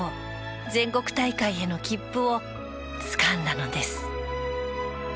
全国大会への切符をつかんだのです。